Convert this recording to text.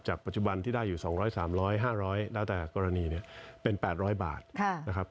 ปัจจุบันที่ได้อยู่๒๐๐๓๐๐๕๐๐แล้วแต่กรณีเนี่ยเป็น๘๐๐บาทนะครับ